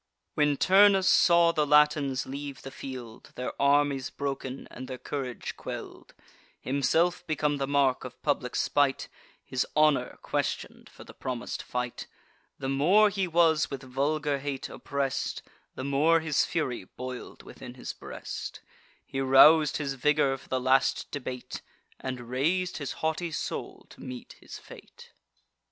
When Turnus saw the Latins leave the field, Their armies broken, and their courage quell'd, Himself become the mark of public spite, His honour question'd for the promis'd fight; The more he was with vulgar hate oppress'd, The more his fury boil'd within his breast: He rous'd his vigour for the last debate, And rais'd his haughty soul to meet his fate.